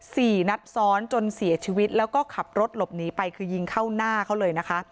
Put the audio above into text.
สี่นัดซ้อนจนเสียชีวิตแล้วก็ขับรถหลบหนีไปคือยิงเข้าหน้าเขาเลยนะคะ